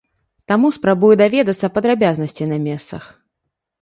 Таму спрабую даведацца падрабязнасці на месцах.